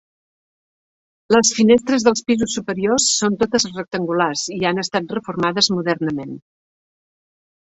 Les finestres dels pisos superiors són totes rectangulars i han estat reformades modernament.